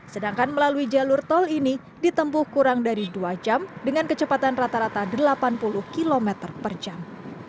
sedangkan melalui jalur tol ini ditempuh kurang dari dua jam dengan kecepatan rata rata delapan puluh km per jam